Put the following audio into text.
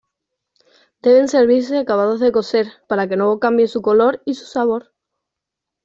Deben servirse acabados de cocer, para que no cambie su color y sabor.